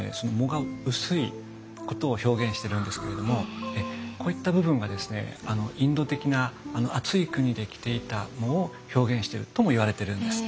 裳が薄いことを表現してるんですけれどもこういった部分がですねインド的な暑い国で着ていた裳を表現しているともいわれているんです。